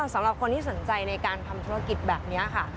สำหรับคนที่สนใจในการทำธุรกิจแบบนี้ค่ะ